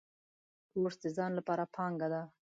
کورس د ځان لپاره پانګه ده.